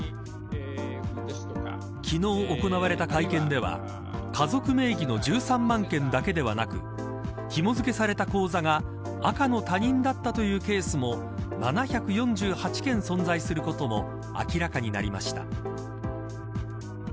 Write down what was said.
昨日行われた会見では家族名義の１３万件だけではなくひも付けされた口座が赤の他人だったというケースも７４８件存在することも明らかになりました。